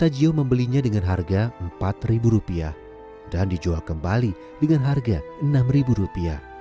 tajio membelinya dengan harga rp empat dan dijual kembali dengan harga rp enam